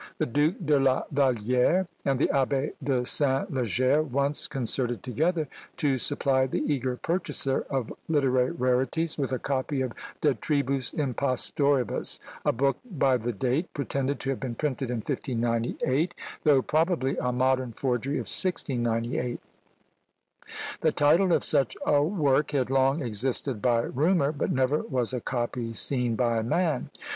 The Duke de la Vallière, and the Abbé de St. Leger once concerted together to supply the eager purchaser of literary rarities with a copy of De Tribus Impostoribus, a book, by the date, pretended to have been printed in 1598, though probably a modern forgery of 1698. The title of such a work had long existed by rumour, but never was a copy seen by man!